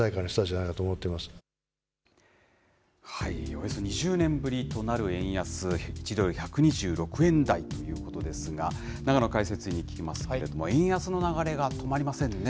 およそ２０年ぶりとなる円安、１ドル１２６円台ということですが、永野解説委員に聞きますけれども、円安の流れが止まりませんね。